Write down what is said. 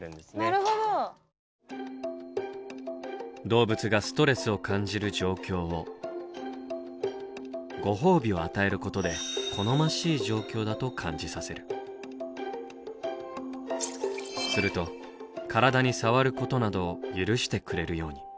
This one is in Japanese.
動物がストレスを感じる状況をご褒美を与えることですると体に触ることなどを許してくれるように。